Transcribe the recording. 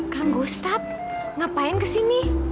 kang gustaf ngapain kesini